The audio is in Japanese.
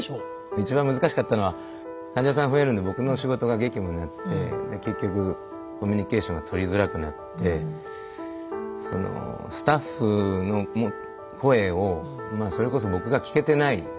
一番難しかったのは患者さん増えるんで僕の仕事が激務になって結局コミュニケーションがとりづらくなってそのスタッフの声をまあそれこそ僕が聞けてない。